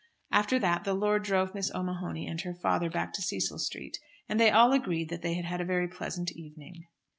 After that the lord drove Miss O'Mahony and her father back to Cecil Street, and they all agreed that they had had a very pleasant evening.